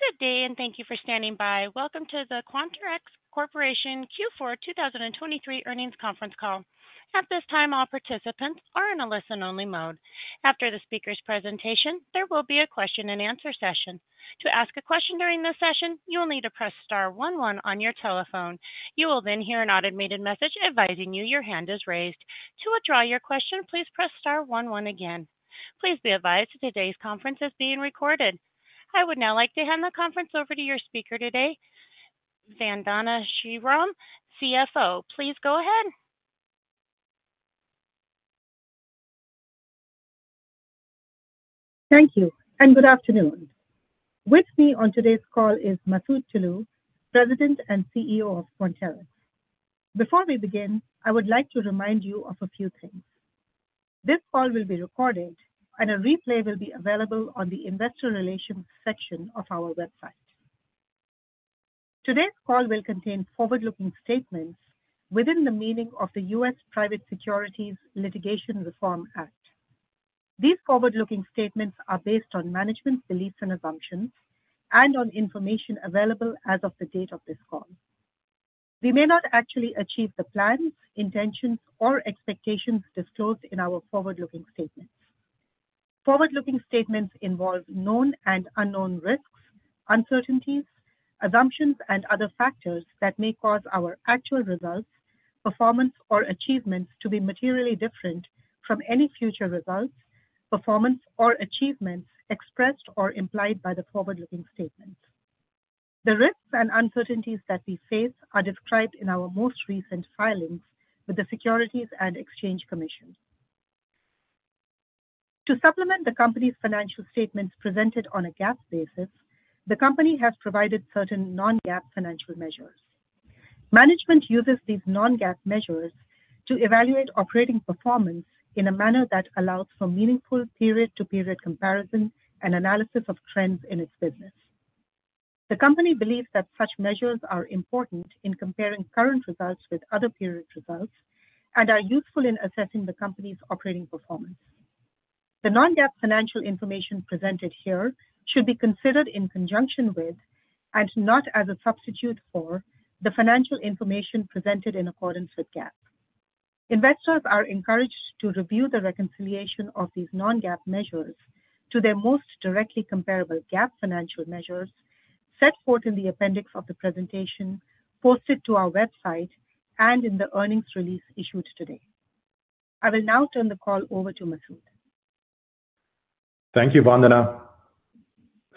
Good day and thank you for standing by. Welcome to the Quanterix Corporation Q4 2023 Earnings Conference Call. At this time, all participants are in a listen-only mode. After the speaker's presentation, there will be a question-and-answer session. To ask a question during this session, you will need to press star one one on your telephone. You will then hear an automated message advising you your hand is raised. To withdraw your question, please press star one one again. Please be advised that today's conference is being recorded. I would now like to hand the conference over to your speaker today, Vandana Sriram, CFO. Please go ahead. Thank you and good afternoon. With me on today's call is Masoud Toloue, President and CEO of Quanterix. Before we begin, I would like to remind you of a few things. This call will be recorded, and a replay will be available on the investor relations section of our website. Today's call will contain forward-looking statements within the meaning of the U.S. Private Securities Litigation Reform Act. These forward-looking statements are based on management's beliefs and assumptions, and on information available as of the date of this call. We may not actually achieve the plans, intentions, or expectations disclosed in our forward-looking statements. Forward-looking statements involve known and unknown risks, uncertainties, assumptions, and other factors that may cause our actual results, performance, or achievements to be materially different from any future results, performance, or achievements expressed or implied by the forward-looking statements. The risks and uncertainties that we face are described in our most recent filings with the Securities and Exchange Commission. To supplement the company's financial statements presented on a GAAP basis, the company has provided certain non-GAAP financial measures. Management uses these non-GAAP measures to evaluate operating performance in a manner that allows for meaningful period-to-period comparison and analysis of trends in its business. The company believes that such measures are important in comparing current results with other period results and are useful in assessing the company's operating performance. The non-GAAP financial information presented here should be considered in conjunction with, and not as a substitute for, the financial information presented in accordance with GAAP. Investors are encouraged to review the reconciliation of these non-GAAP measures to their most directly comparable GAAP financial measures set forth in the appendix of the presentation, posted to our website, and in the earnings release issued today. I will now turn the call over to Masoud. Thank you, Vandana.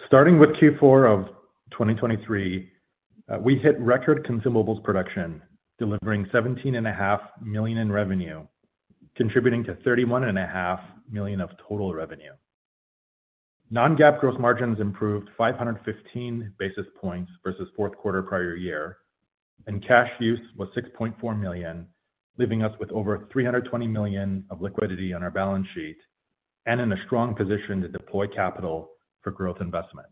Starting with Q4 of 2023, we hit record consumables production, delivering $17.5 million in revenue, contributing to $31.5 million of total revenue. Non-GAAP gross margins improved 515 basis points versus fourth quarter prior year, and cash use was $6.4 million, leaving us with over $320 million of liquidity on our balance sheet and in a strong position to deploy capital for growth investment.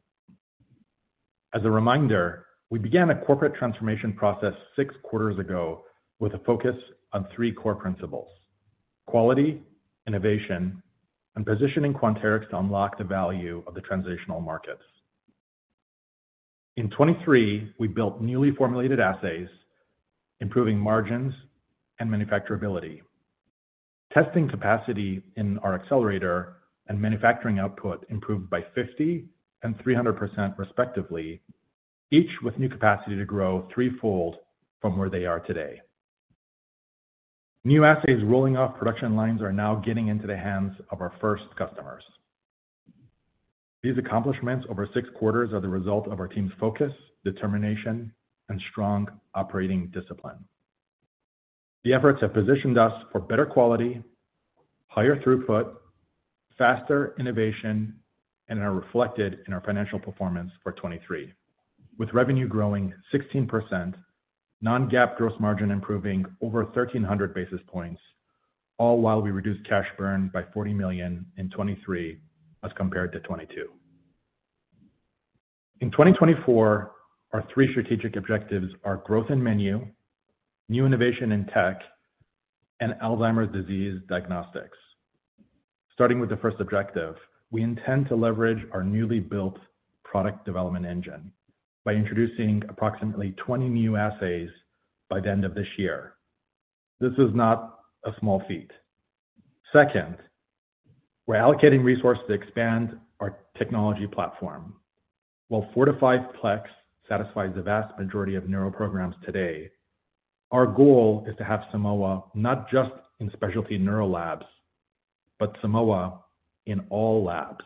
As a reminder, we began a corporate transformation process six quarters ago with a focus on three core principles: quality, innovation, and positioning Quanterix to unlock the value of the transitional markets. In 2023, we built newly formulated assays, improving margins and manufacturability. Testing capacity in our Accelerator and manufacturing output improved by 50% and 300% respectively, each with new capacity to grow threefold from where they are today. New assays rolling off production lines are now getting into the hands of our first customers. These accomplishments over six quarters are the result of our team's focus, determination, and strong operating discipline. The efforts have positioned us for better quality, higher throughput, faster innovation, and are reflected in our financial performance for 2023, with revenue growing 16%, non-GAAP gross margin improving over 1,300 basis points, all while we reduced cash burn by $40 million in 2023 as compared to 2022. In 2024, our three strategic objectives are growth in menu, new innovation in tech, and Alzheimer's disease diagnostics. Starting with the first objective, we intend to leverage our newly built product development engine by introducing approximately 20 new assays by the end of this year. This is not a small feat. Second, we're allocating resources to expand our technology platform. While 4- to 5-plex satisfies the vast majority of neuro programs today, our goal is to have Simoa not just in specialty neuro labs, but Simoa in all labs.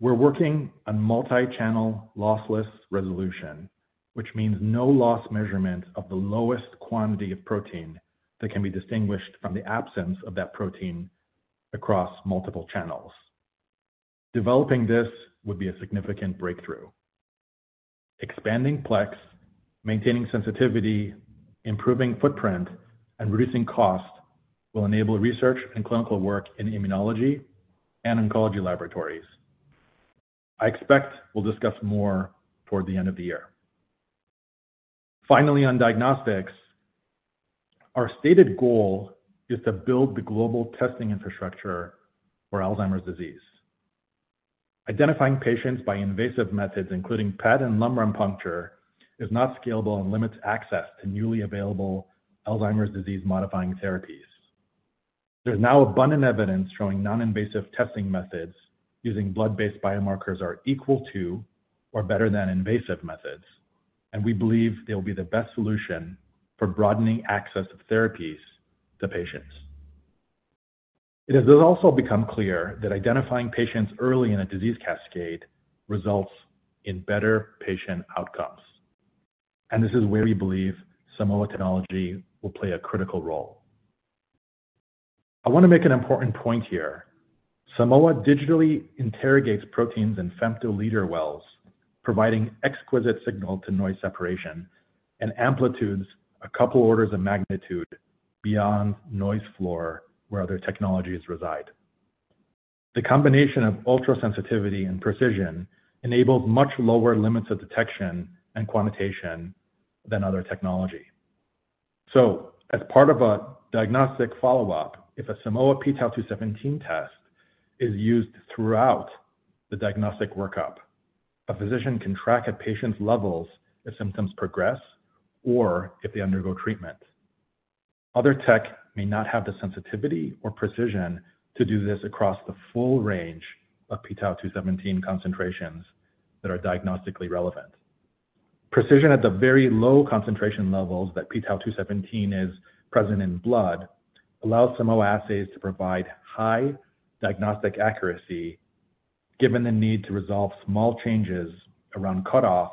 We're working on multi-channel lossless resolution, which means no loss measurement of the lowest quantity of protein that can be distinguished from the absence of that protein across multiple channels. Developing this would be a significant breakthrough. Expanding Plex, maintaining sensitivity, improving footprint, and reducing cost will enable research and clinical work in immunology and oncology laboratories. I expect we'll discuss more toward the end of the year. Finally, on diagnostics, our stated goal is to build the global testing infrastructure for Alzheimer's disease. Identifying patients by invasive methods, including PET and lumbar puncture, is not scalable and limits access to newly available Alzheimer's disease-modifying therapies. There's now abundant evidence showing non-invasive testing methods using blood-based biomarkers are equal to or better than invasive methods, and we believe they will be the best solution for broadening access of therapies to patients. It has also become clear that identifying patients early in a disease cascade results in better patient outcomes, and this is where we believe Simoa technology will play a critical role. I want to make an important point here. Simoa digitally interrogates proteins in femtoliter wells, providing exquisite signal to noise separation and amplitudes a couple orders of magnitude beyond noise floor where other technologies reside. The combination of ultrasensitivity and precision enables much lower limits of detection and quantitation than other technology. So as part of a diagnostic follow-up, if a Simoa p-Tau 217 test is used throughout the diagnostic workup, a physician can track at patients' levels if symptoms progress or if they undergo treatment. Other tech may not have the sensitivity or precision to do this across the full range of p-Tau 217 concentrations that are diagnostically relevant. Precision at the very low concentration levels that p-Tau 217 is present in blood allows Simoa assays to provide high diagnostic accuracy given the need to resolve small changes around cutoffs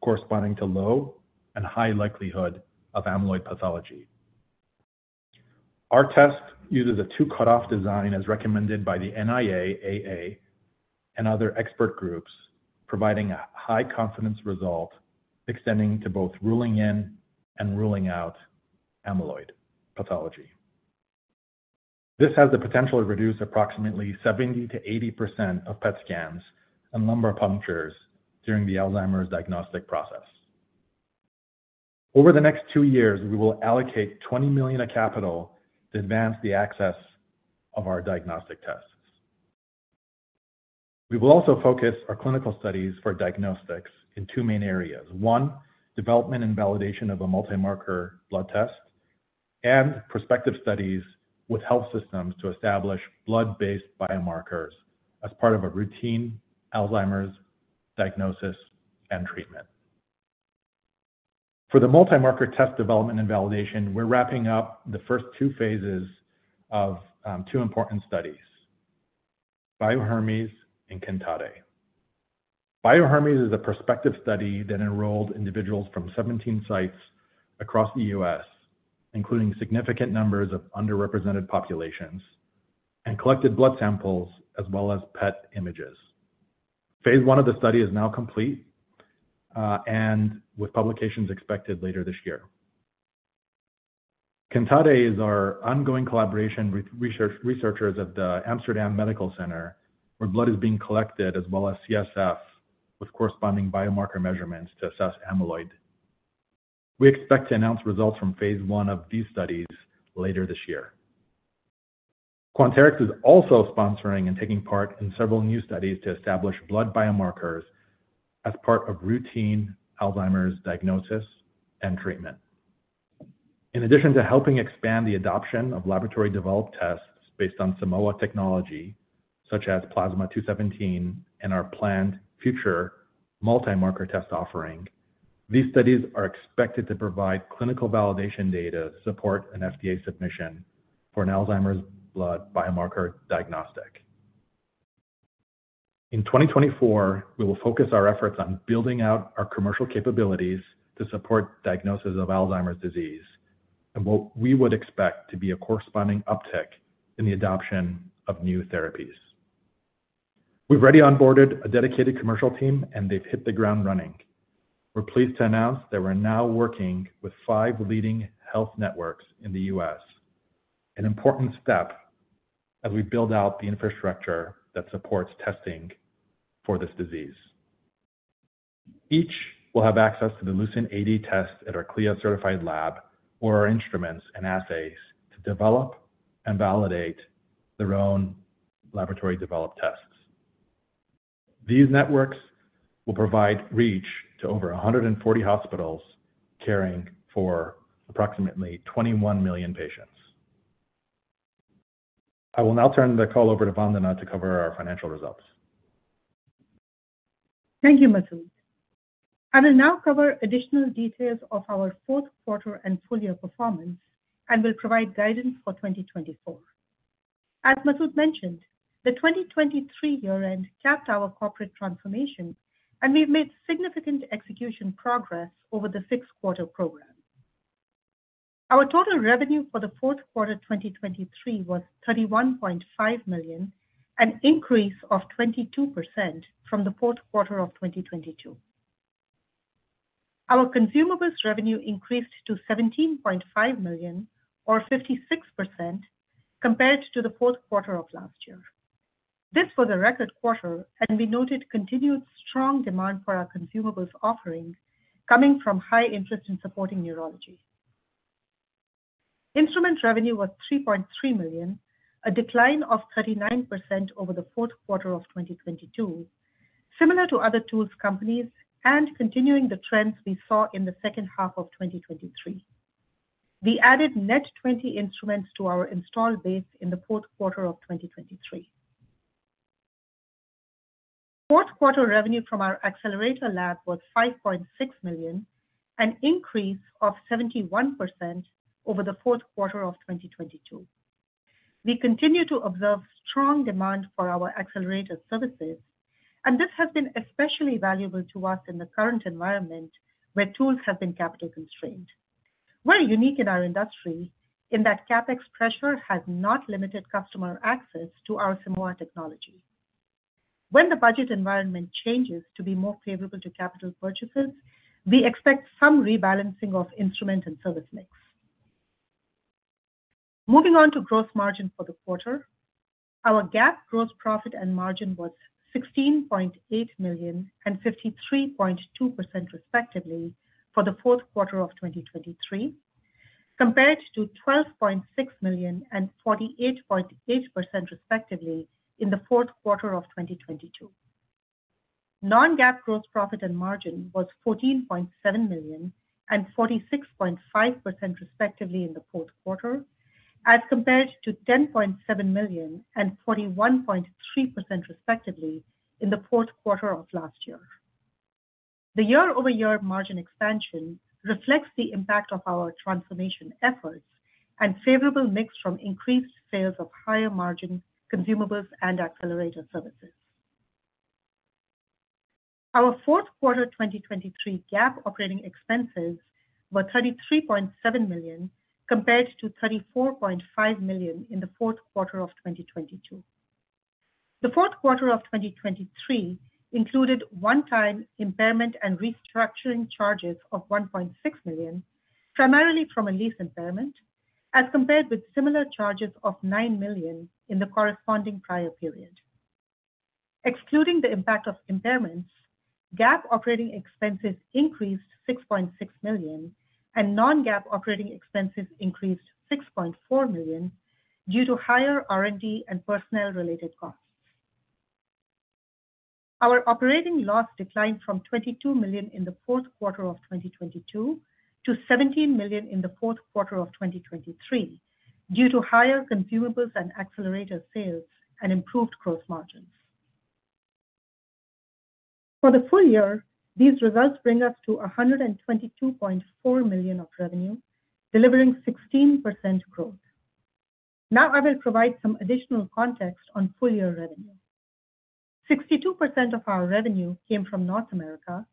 corresponding to low and high likelihood of amyloid pathology. Our test uses a two-cutoff design as recommended by the NIA-AA and other expert groups, providing a high-confidence result extending to both ruling in and ruling out amyloid pathology. This has the potential to reduce approximately 70%-80% of PET scans and lumbar punctures during the Alzheimer's diagnostic process. Over the next two years, we will allocate $20 million of capital to advance the access of our diagnostic tests. We will also focus our clinical studies for diagnostics in two main areas: One, development and validation of a multi-marker blood test, and prospective studies with health systems to establish blood-based biomarkers as part of a routine Alzheimer's diagnosis and treatment. For the multi-marker test development and validation, we're wrapping up the first two phases of two important studies: Bio-Hermes and CANTATE. Bio-Hermes is a prospective study that enrolled individuals from 17 sites across the U.S., including significant numbers of underrepresented populations, and collected blood samples as well as PET images. Phase I of the study is now complete, with publications expected later this year. CANTATE is our ongoing collaboration with researchers at the Amsterdam Medical Center, where blood is being collected as well as CSF with corresponding biomarker measurements to assess amyloid. We expect to announce results from phase one of these studies later this year. Quanterix is also sponsoring and taking part in several new studies to establish blood biomarkers as part of routine Alzheimer's diagnosis and treatment. In addition to helping expand the adoption of laboratory-developed tests based on Simoa technology, such as p-Tau 217 and our planned future multi-marker test offering, these studies are expected to provide clinical validation data to support an FDA submission for an Alzheimer's blood biomarker diagnostic. In 2024, we will focus our efforts on building out our commercial capabilities to support diagnosis of Alzheimer's disease and what we would expect to be a corresponding uptick in the adoption of new therapies. We've already onboarded a dedicated commercial team, and they've hit the ground running. We're pleased to announce that we're now working with five leading health networks in the U.S., an important step as we build out the infrastructure that supports testing for this disease. Each will have access to the LucentAD tests at our CLIA-certified lab or our instruments and assays to develop and validate their own laboratory-developed tests. These networks will provide reach to over 140 hospitals caring for approximately 21 million patients. I will now turn the call over to Vandana to cover our financial results. Thank you, Masoud. I will now cover additional details of our fourth quarter and full-year performance and will provide guidance for 2024. As Masoud mentioned, the 2023 year-end capped our corporate transformation, and we've made significant execution progress over the sixth quarter program. Our total revenue for the fourth quarter 2023 was $31.5 million, an increase of 22% from the fourth quarter of 2022. Our consumables revenue increased to $17.5 million, or 56%, compared to the fourth quarter of last year. This was a record quarter, and we noted continued strong demand for our consumables offering, coming from high interest in supporting neurology. Instrument revenue was $3.3 million, a decline of 39% over the fourth quarter of 2022, similar to other tools companies and continuing the trends we saw in the second half of 2023. We added net 20 instruments to our install base in the fourth quarter of 2023. Fourth quarter revenue from our Accelerator lab was $5.6 million, an increase of 71% over the fourth quarter of 2022. We continue to observe strong demand for our Accelerator services, and this has been especially valuable to us in the current environment where tools have been capital-constrained. We're unique in our industry in that CapEx pressure has not limited customer access to our Simoa technology. When the budget environment changes to be more favorable to capital purchases, we expect some rebalancing of instrument and service mix. Moving on to gross margin for the quarter, our GAAP gross profit and margin was $16.8 million and 53.2% respectively for the fourth quarter of 2023, compared to $12.6 million and 48.8% respectively in the fourth quarter of 2022. Non-GAAP gross profit and margin was $14.7 million and 46.5%, respectively, in the fourth quarter, as compared to $10.7 million and 41.3%, respectively, in the fourth quarter of last year. The year-over-year margin expansion reflects the impact of our transformation efforts and favorable mix from increased sales of higher-margin consumables and Accelerator services. Our fourth quarter 2023 GAAP operating expenses were $33.7 million compared to $34.5 million in the fourth quarter of 2022. The fourth quarter of 2023 included one-time impairment and restructuring charges of $1.6 million, primarily from a lease impairment, as compared with similar charges of $9 million in the corresponding prior period. Excluding the impact of impairments, GAAP operating expenses increased $6.6 million, and non-GAAP operating expenses increased $6.4 million due to higher R&D and personnel-related costs. Our operating loss declined from $22 million in the fourth quarter of 2022 to $17 million in the fourth quarter of 2023 due to higher consumables and Accelerator sales and improved gross margins. For the full year, these results bring us to $122.4 million of revenue, delivering 16% growth. Now I will provide some additional context on full-year revenue. 62% of our revenue came from North America,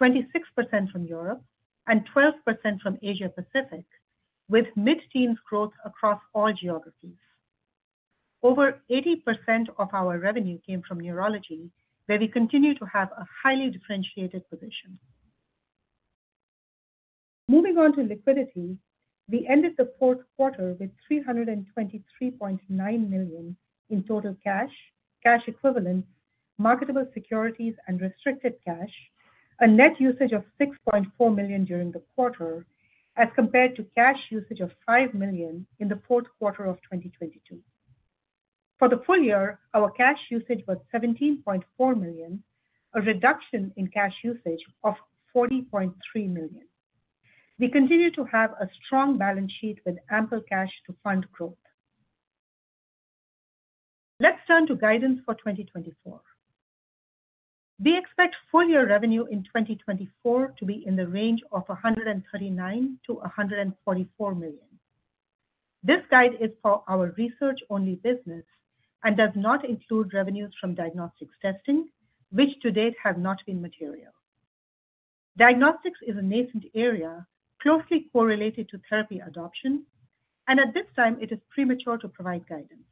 26% from Europe, and 12% from Asia-Pacific, with mid-teens growth across all geographies. Over 80% of our revenue came from neurology, where we continue to have a highly differentiated position. Moving on to liquidity, we ended the fourth quarter with $323.9 million in total cash, cash equivalents, marketable securities, and restricted cash, a net usage of $6.4 million during the quarter, as compared to cash usage of $5 million in the fourth quarter of 2022. For the full year, our cash usage was $17.4 million, a reduction in cash usage of $40.3 million. We continue to have a strong balance sheet with ample cash to fund growth. Let's turn to guidance for 2024. We expect full-year revenue in 2024 to be in the range of $139 million-$144 million. This guide is for our research-only business and does not include revenues from diagnostics testing, which to date have not been material. Diagnostics is a nascent area closely correlated to therapy adoption, and at this time, it is premature to provide guidance.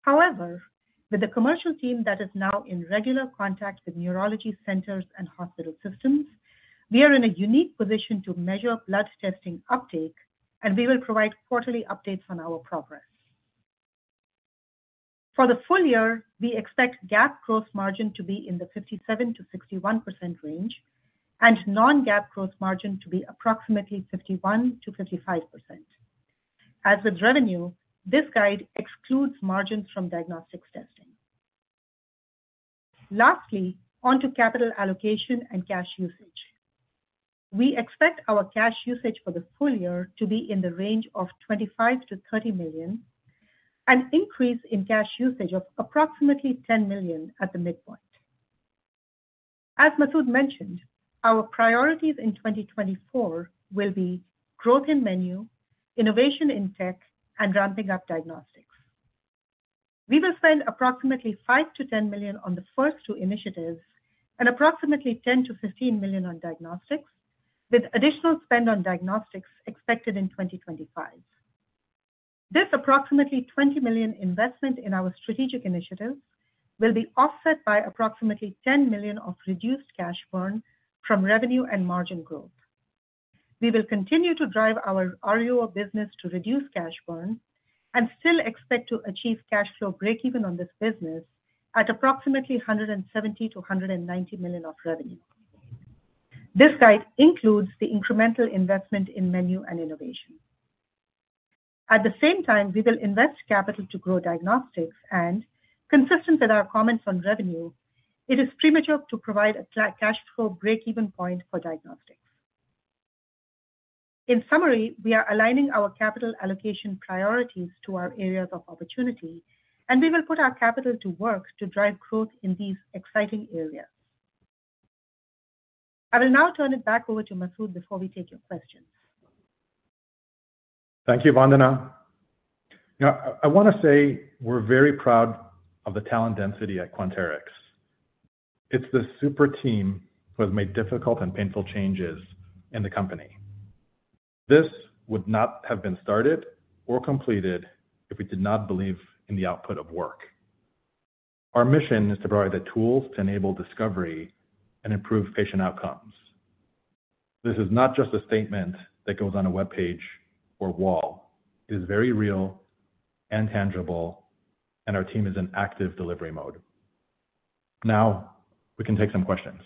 However, with the commercial team that is now in regular contact with neurology centers and hospital systems, we are in a unique position to measure blood testing uptake, and we will provide quarterly updates on our progress. For the full year, we expect GAAP gross margin to be in the 57%-61% range, and non-GAAP gross margin to be approximately 51%-55%. As with revenue, this guide excludes margins from diagnostics testing. Lastly, onto capital allocation and cash usage. We expect our cash usage for the full year to be in the range of $25-$30 million, an increase in cash usage of approximately $10 million at the midpoint. As Masoud mentioned, our priorities in 2024 will be growth in menu, innovation in tech, and ramping up diagnostics. We will spend approximately $5-$10 million on the first two initiatives and approximately $10-$15 million on diagnostics, with additional spend on diagnostics expected in 2025. This approximately $20 million investment in our strategic initiatives will be offset by approximately $10 million of reduced cash burn from revenue and margin growth. We will continue to drive our RUO business to reduce cash burn and still expect to achieve cash flow breakeven on this business at approximately $170 million-$190 million of revenue. This guide includes the incremental investment in menu and innovation. At the same time, we will invest capital to grow diagnostics, and consistent with our comments on revenue, it is premature to provide a cash flow breakeven point for diagnostics. In summary, we are aligning our capital allocation priorities to our areas of opportunity, and we will put our capital to work to drive growth in these exciting areas. I will now turn it back over to Masoud before we take your questions. Thank you, Vandana. I want to say we're very proud of the talent density at Quanterix. It's the super team who has made difficult and painful changes in the company. This would not have been started or completed if we did not believe in the output of work. Our mission is to provide the tools to enable discovery and improve patient outcomes. This is not just a statement that goes on a webpage or wall. It is very real and tangible, and our team is in active delivery mode. Now we can take some questions.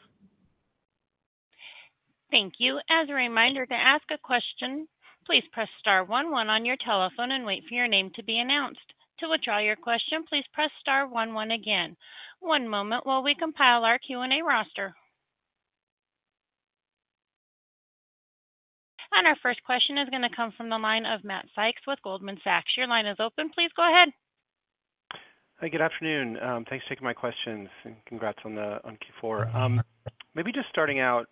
Thank you. As a reminder, to ask a question, please press star one one on your telephone and wait for your name to be announced. To withdraw your question, please press star one one again. One moment while we compile our Q&A roster. And our first question is going to come from the line of Matt Sykes with Goldman Sachs. Your line is open. Please go ahead. Hey, good afternoon. Thanks for taking my questions, and congrats on Q4. Maybe just starting out,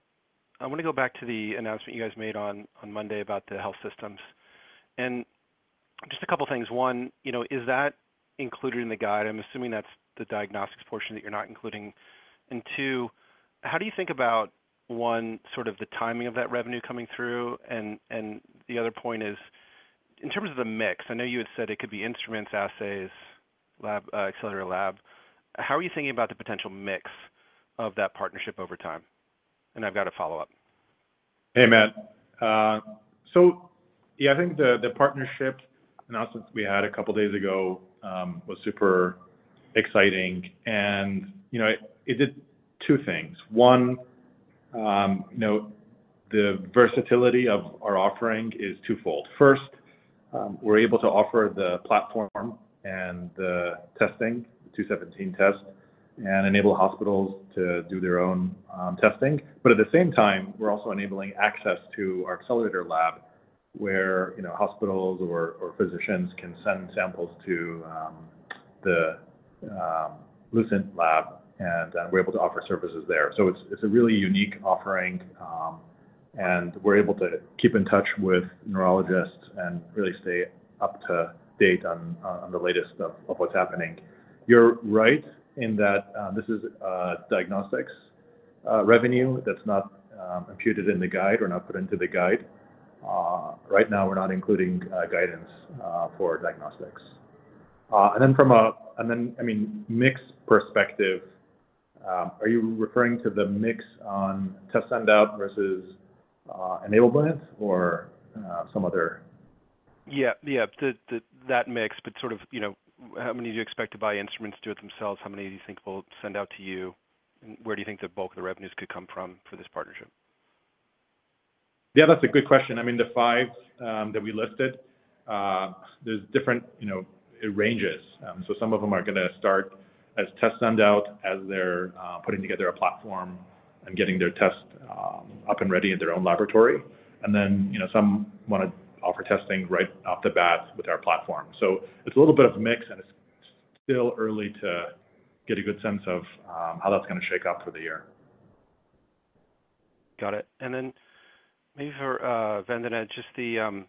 I want to go back to the announcement you guys made on Monday about the health systems. And just a couple of things. One, is that included in the guide? I'm assuming that's the diagnostics portion that you're not including. And two, how do you think about, one, sort of the timing of that revenue coming through? And the other point is, in terms of the mix, I know you had said it could be instruments, assays, Accelerator lab. How are you thinking about the potential mix of that partnership over time? And I've got a follow-up. Hey, Matt. So yeah, I think the partnership announcement we had a couple of days ago was super exciting. And it did two things. One, the versatility of our offering is twofold. First, we're able to offer the platform and the testing, the 217 test, and enable hospitals to do their own testing. But at the same time, we're also enabling access to our Accelerator lab, where hospitals or physicians can send samples to the Lucent lab, and we're able to offer services there. So it's a really unique offering, and we're able to keep in touch with neurologists and really stay up to date on the latest of what's happening. You're right in that this is diagnostics revenue that's not imputed in the guide or not put into the guide. Right now, we're not including guidance for diagnostics. And then from a, I mean, mix perspective, are you referring to the mix on test send-out versus enablement or some other? Yeah, yeah, that mix, but sort of how many do you expect to buy instruments to do it themselves? How many do you think will send out to you? And where do you think the bulk of the revenues could come from for this partnership? Yeah, that's a good question. I mean, the five that we listed, there's different ranges. So some of them are going to start as test send-out as they're putting together a platform and getting their test up and ready in their own laboratory. And then some want to offer testing right off the bat with our platform. So it's a little bit of a mix, and it's still early to get a good sense of how that's going to shake up for the year. Got it. And then maybe for Vandana, just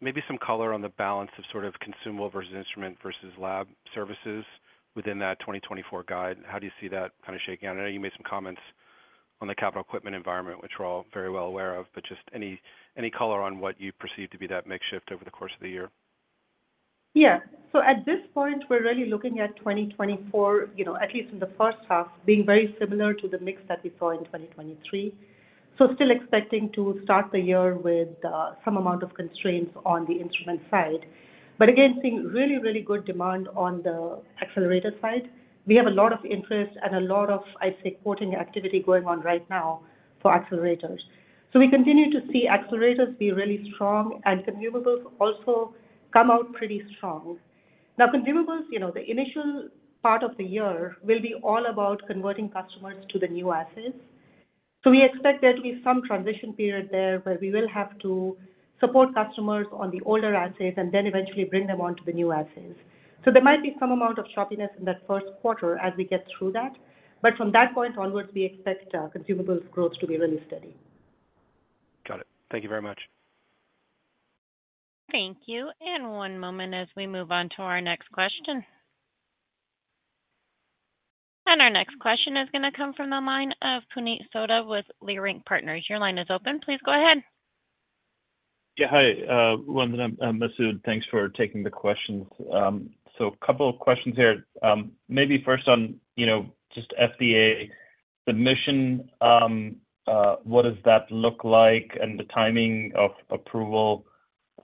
maybe some color on the balance of sort of consumable versus instrument versus lab services within that 2024 guide. How do you see that kind of shaking out? I know you made some comments on the capital equipment environment, which we're all very well aware of, but just any color on what you perceive to be that makeup over the course of the year? Yeah. So at this point, we're really looking at 2024, at least in the first half, being very similar to the mix that we saw in 2023. So still expecting to start the year with some amount of constraints on the instrument side. But again, seeing really, really good demand on the Accelerator side, we have a lot of interest and a lot of, I'd say, quoting activity going on right now for Accelerators. So we continue to see Accelerators be really strong, and consumables also come out pretty strong. Now, consumables, the initial part of the year will be all about converting customers to the new assays. So we expect there to be some transition period there where we will have to support customers on the older assays and then eventually bring them onto the new assays. There might be some amount of choppiness in that first quarter as we get through that. But from that point onwards, we expect consumables growth to be really steady. Got it. Thank you very much. Thank you. One moment as we move on to our next question. Our next question is going to come from the line of Puneet Souda with Leerink Partners. Your line is open. Please go ahead. Yeah, hi, Vandana and Masoud. Thanks for taking the questions. So a couple of questions here. Maybe first on just FDA, the mission, what does that look like and the timing of approval?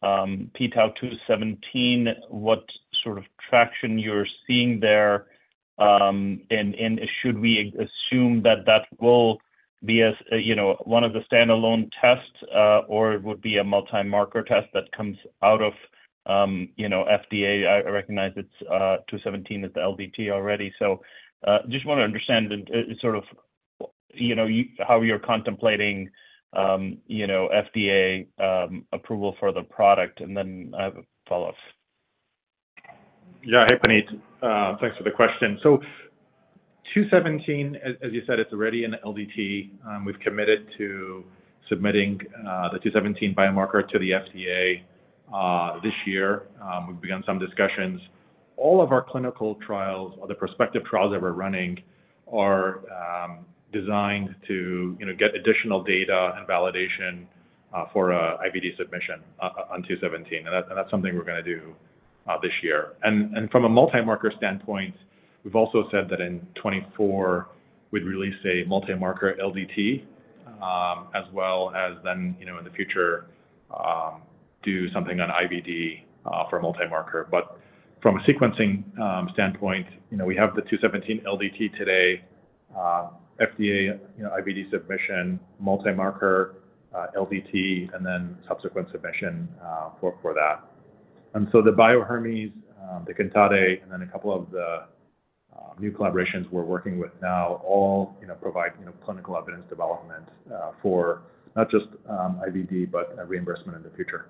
p-Tau 217, what sort of traction you're seeing there? And should we assume that that will be one of the standalone tests, or it would be a multi-marker test that comes out of FDA? I recognize it's 217 is the LDT already. So just want to understand sort of how you're contemplating FDA approval for the product, and then I have a follow-up. Yeah, hey, Puneet. Thanks for the question. So 217, as you said, it's already an LDT. We've committed to submitting the 217 biomarker to the FDA this year. We've begun some discussions. All of our clinical trials, or the prospective trials that we're running, are designed to get additional data and validation for IVD submission on 217. And that's something we're going to do this year. And from a multi-marker standpoint, we've also said that in 2024, we'd release a multi-marker LDT as well as then in the future do something on IVD for a multi-marker. But from a sequencing standpoint, we have the 217 LDT today, FDA IVD submission, multi-marker LDT, and then subsequent submission for that. And so the Bio-Hermes, the CANTATE, and then a couple of the new collaborations we're working with now all provide clinical evidence development for not just IVD, but reimbursement in the future.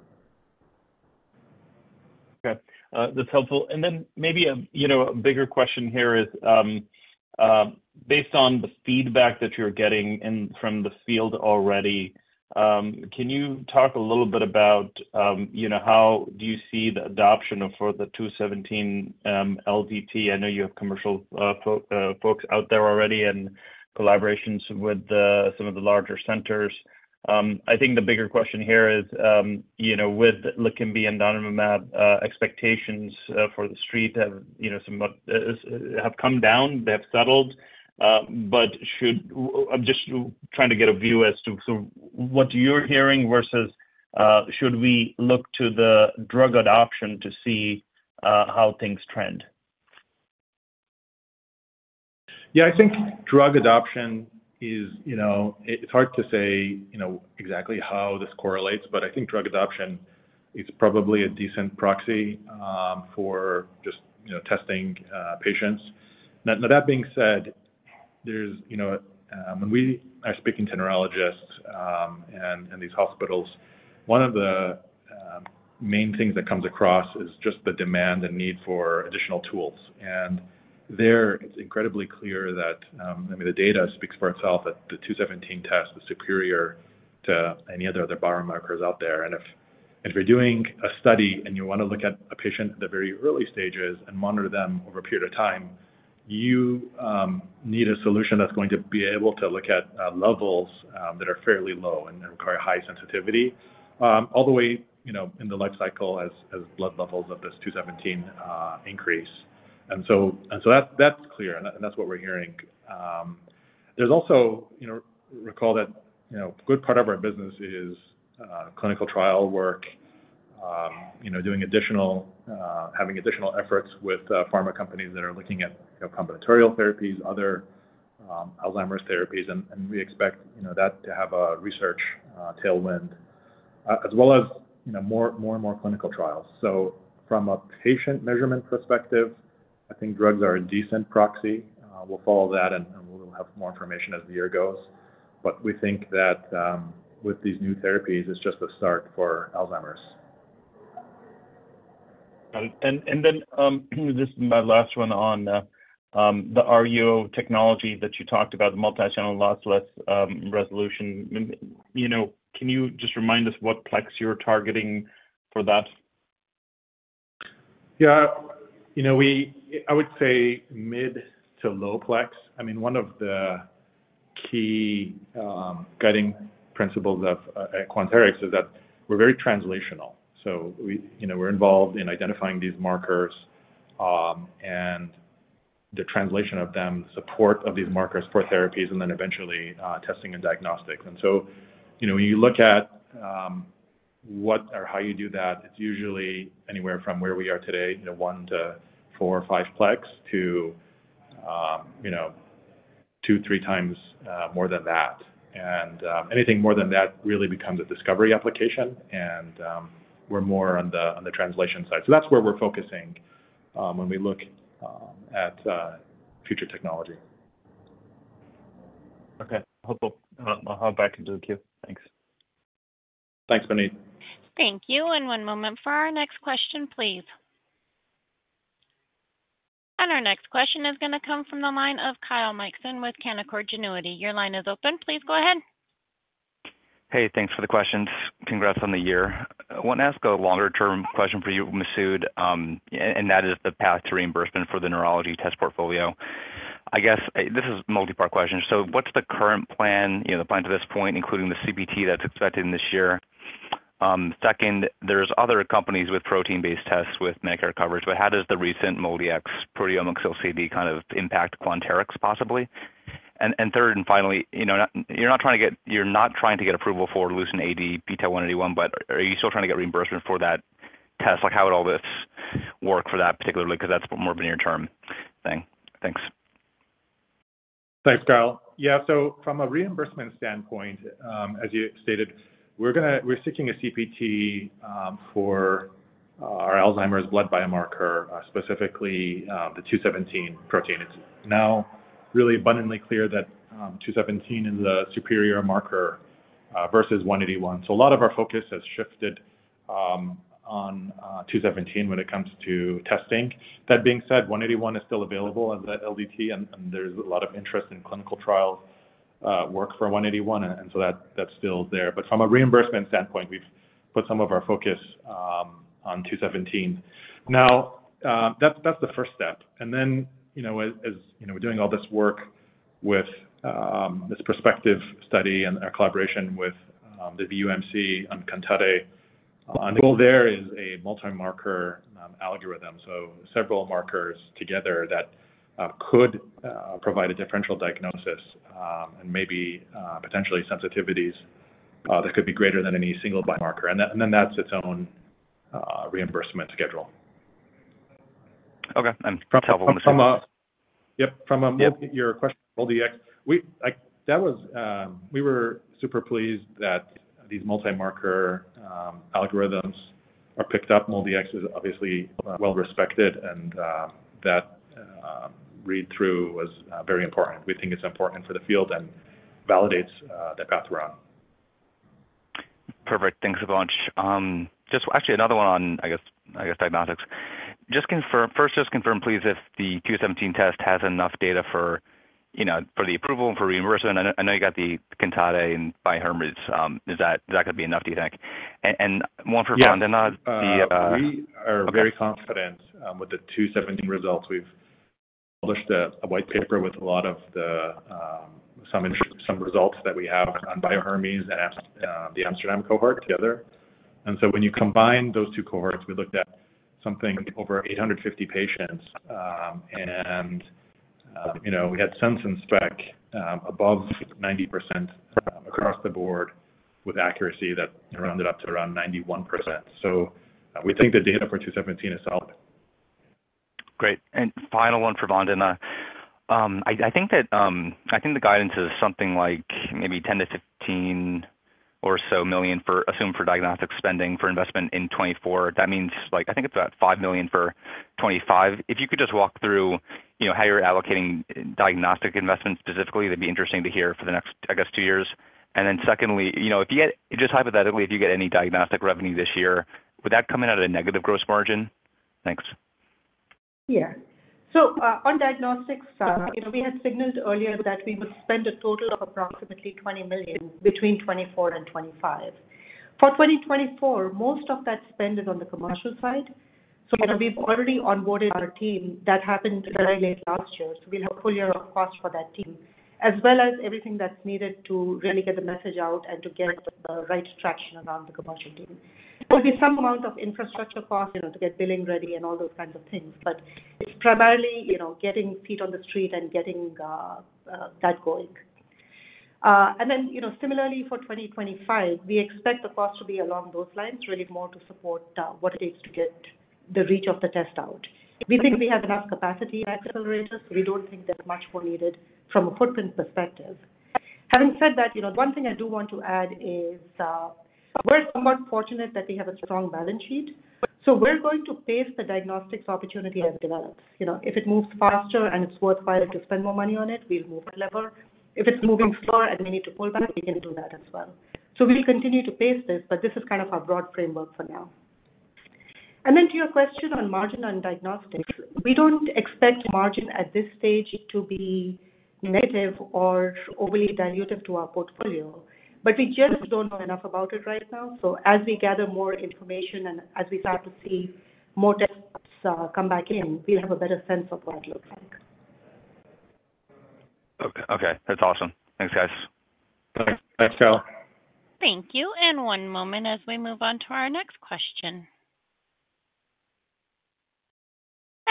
Okay. That's helpful. And then maybe a bigger question here is, based on the feedback that you're getting from the field already, can you talk a little bit about how do you see the adoption for the 217 LDT? I know you have commercial folks out there already and collaborations with some of the larger centers. I think the bigger question here is, with Leqembi and Donanemab, expectations for the street have come down. They have settled. But I'm just trying to get a view as to what you're hearing versus should we look to the drug adoption to see how things trend? Yeah, I think drug adoption is. It's hard to say exactly how this correlates, but I think drug adoption is probably a decent proxy for just testing patients. Now, that being said, when we are speaking to neurologists and these hospitals, one of the main things that comes across is just the demand and need for additional tools. And there, it's incredibly clear that I mean, the data speaks for itself that the 217 test is superior to any other biomarkers out there. And if you're doing a study and you want to look at a patient at the very early stages and monitor them over a period of time, you need a solution that's going to be able to look at levels that are fairly low and require high sensitivity all the way in the life cycle as blood levels of this 217 increase. So that's clear, and that's what we're hearing. There's also recall that a good part of our business is clinical trial work, having additional efforts with pharma companies that are looking at combinatorial therapies, other Alzheimer's therapies, and we expect that to have a research tailwind as well as more and more clinical trials. So from a patient measurement perspective, I think drugs are a decent proxy. We'll follow that, and we'll have more information as the year goes. But we think that with these new therapies, it's just the start for Alzheimer's. Got it. And then just my last one on the RUO technology that you talked about, the multi-channel lossless resolution. Can you just remind us what plex you're targeting for that? Yeah. I would say mid- to low-plex. I mean, one of the key guiding principles at Quanterix is that we're very translational. So we're involved in identifying these markers and the translation of them, support of these markers for therapies, and then eventually testing and diagnostics. And so when you look at what or how you do that, it's usually anywhere from where we are today, 1-4 or 5 plex to 2-3 times more than that. And anything more than that really becomes a discovery application, and we're more on the translation side. So that's where we're focusing when we look at future technology. Okay. Hopefully, I'll hop back into the queue. Thanks. Thanks, Puneet. Thank you. And one moment for our next question, please. And our next question is going to come from the line of Kyle Mikson with Canaccord Genuity. Your line is open. Please go ahead. Hey, thanks for the questions. Congrats on the year. I want to ask a longer-term question for you, Masoud, and that is the path to reimbursement for the neurology test portfolio. I guess this is a multi-part question. So what's the current plan, the plan to this point, including the CPT that's expected in this year? Second, there's other companies with protein-based tests with Medicare coverage, but how does the recent MolDx proteomics LCD kind of impact Quanterix, possibly? And third and finally, you're not trying to get approval for LucentAD p-Tau 181, but are you still trying to get reimbursement for that test? How would all this work for that particularly? Because that's more of a near-term thing. Thanks. Thanks, Kyle. Yeah. So from a reimbursement standpoint, as you stated, we're seeking a CPT for our Alzheimer's blood biomarker, specifically the 217 protein. It's now really abundantly clear that 217 is the superior marker versus 181. So a lot of our focus has shifted on 217 when it comes to testing. That being said, 181 is still available as an LDT, and there's a lot of interest in clinical trial work for 181, and so that's still there. But from a reimbursement standpoint, we've put some of our focus on 217. Now, that's the first step. And then as we're doing all this work with this prospective study and our collaboration with the VUMC on CANTATE, our goal there is a multi-marker algorithm, so several markers together that could provide a differential diagnosis and maybe potentially sensitivities that could be greater than any single biomarker. That's its own reimbursement schedule. Okay. That's helpful, Masoud. Yep. From your question about MolDx, we were super pleased that these multi-marker algorithms are picked up. MolDx is obviously well-respected, and that read-through was very important. We think it's important for the field and validates that path we're on. Perfect. Thanks a bunch. Actually, another one on, I guess, diagnostics. First, just confirm, please, if the 217 test has enough data for the approval and for reimbursement. I know you got the CANTATE and Bio-Hermes. Is that going to be enough, do you think? And one for Vandana, the. Yeah. We are very confident with the 217 results. We've published a white paper with a lot of some results that we have on Bio-Hermes and the Amsterdam cohort together. And so when you combine those two cohorts, we looked at something over 850 patients, and we had sensitivity and specificity above 90% across the board with accuracy that rounded up to around 91%. So we think the data for 217 is solid. Great. And final one for Vandana. I think the guidance is something like maybe $10-$15 million or so, assume, for diagnostic spending for investment in 2024. That means I think it's about $5 million for 2025. If you could just walk through how you're allocating diagnostic investment specifically, that'd be interesting to hear for the next, I guess, two years. And then secondly, just hypothetically, if you get any diagnostic revenue this year, would that come in at a negative gross margin? Thanks. Yeah. So on diagnostics, we had signaled earlier that we would spend a total of approximately $20 million between 2024 and 2025. For 2024, most of that spend is on the commercial side. So we've already onboarded our team. That happened very late last year. So we'll have a full year of cost for that team, as well as everything that's needed to really get the message out and to get the right traction around the commercial team. There will be some amount of infrastructure cost to get billing ready and all those kinds of things, but it's primarily getting feet on the street and getting that going. And then similarly, for 2025, we expect the cost to be along those lines, really more to support what it takes to get the reach of the test out. We think we have enough capacity at Accelerators. We don't think there's much more needed from a footprint perspective. Having said that, one thing I do want to add is we're somewhat fortunate that we have a strong balance sheet. So we're going to pace the diagnostics opportunity as it develops. If it moves faster and it's worthwhile to spend more money on it, we'll move that lever. If it's moving slower and we need to pull back, we can do that as well. So we'll continue to pace this, but this is kind of our broad framework for now. And then to your question on margin on diagnostics, we don't expect margin at this stage to be negative or overly dilutive to our portfolio, but we just don't know enough about it right now. As we gather more information and as we start to see more tests come back in, we'll have a better sense of what it looks like. Okay. That's awesome. Thanks, guys. Thanks, Kyle. Thank you. One moment as we move on to our next question.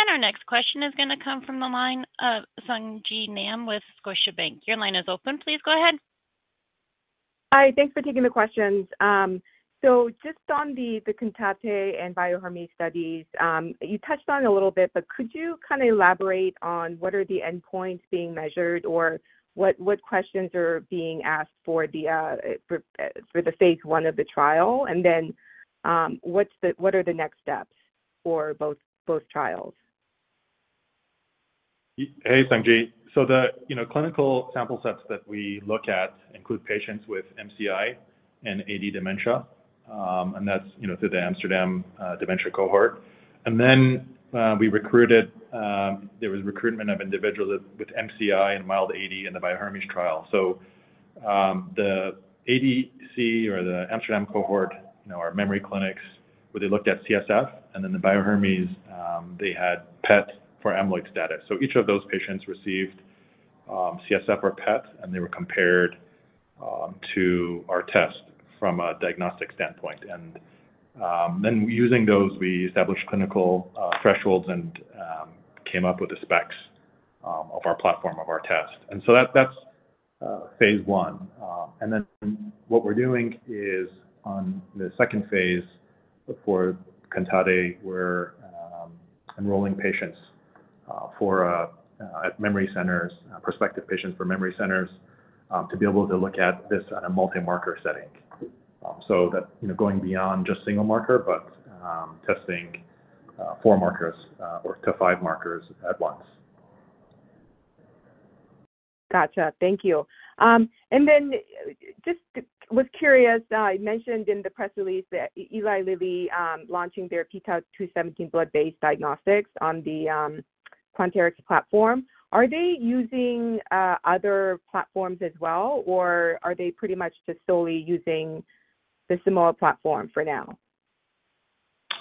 Our next question is going to come from the line of Sung Ji Nam with Scotiabank. Your line is open. Please go ahead. Hi. Thanks for taking the questions. So just on the CANTATE and Bio-Hermes studies, you touched on it a little bit, but could you kind of elaborate on what are the endpoints being measured or what questions are being asked for the phase one of the trial, and then what are the next steps for both trials? Hey, Sung Ji. So the clinical sample sets that we look at include patients with MCI and AD dementia, and that's through the Amsterdam Dementia Cohort. And then we recruited there was recruitment of individuals with MCI and mild AD in the Bio-Hermes trial. So the ADC or the Amsterdam Dementia Cohort, our memory clinics, where they looked at CSF, and then the Bio-Hermes, they had PET for amyloid status. So each of those patients received CSF or PET, and they were compared to our test from a diagnostic standpoint. And then using those, we established clinical thresholds and came up with the specs of our platform, of our test. And so that's phase one. And then what we're doing is on the second phase for CANTATE, we're enrolling patients at memory centers, prospective patients for memory centers, to be able to look at this at a multi-marker setting. Going beyond just single marker, but testing four markers or to five markers at once. Gotcha. Thank you. And then just was curious. You mentioned in the press release that Eli Lilly is launching their p-Tau 217 blood-based diagnostics on the Quanterix platform. Are they using other platforms as well, or are they pretty much just solely using the Simoa platform for now?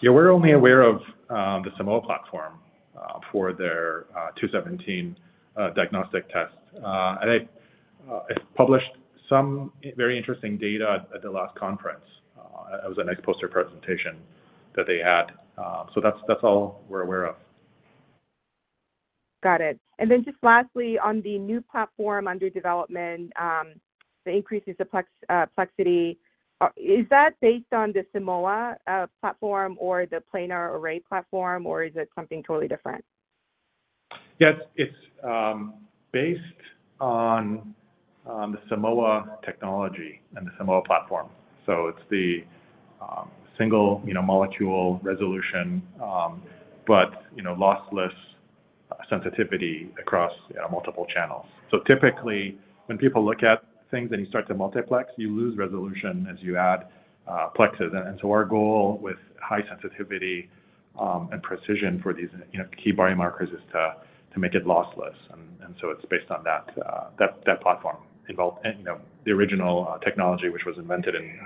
Yeah. We're only aware of the Simoa platform for their 217 diagnostic tests. I published some very interesting data at the last conference. It was a nice poster presentation that they had. That's all we're aware of. Got it. And then just lastly, on the new platform under development, the increase in multiplexity, is that based on the Simoa platform or the planar array platform, or is it something totally different? Yeah. It's based on the Simoa technology and the Simoa platform. So it's the single molecule resolution but lossless sensitivity across multiple channels. So typically, when people look at things and you start to multiplex, you lose resolution as you add plexes. And so our goal with high sensitivity and precision for these key biomarkers is to make it lossless. And so it's based on that platform, the original technology which was invented in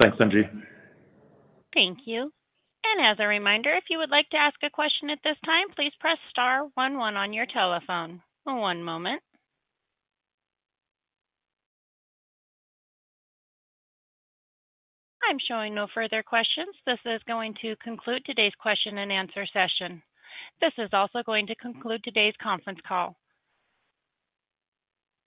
the Walt lab. Got it. Thank you so much. Thanks, Sung Ji. Thank you. As a reminder, if you would like to ask a question at this time, please press star one one on your telephone. One moment. I'm showing no further questions. This is going to conclude today's question-and-answer session. This is also going to conclude today's conference call.